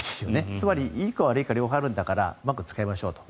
つまり、いいか悪いか両方あるんだからうまく使いましょうと。